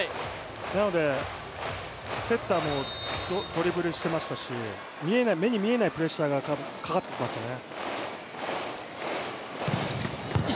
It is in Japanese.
なので、セッターもドリブルしてましたし目に見えないプレッシャーがかかってきますよね。